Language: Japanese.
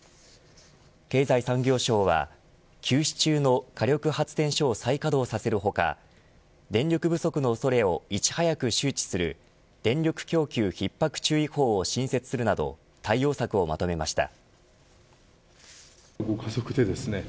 経済産業省は休止中の火力発電所を再稼働させる他電力不足の恐れをいち早く周知する電力供給ひっ迫注意報を新設するなど対応策を求めました。